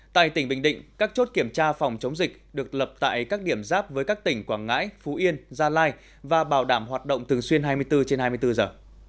tại tỉnh bình định các chốt kiểm tra phòng chống dịch được lập tại các điểm giáp với các tỉnh quảng ngãi phú yên gia lai và bảo đảm hoạt động thường xuyên hai mươi bốn trên hai mươi bốn giờ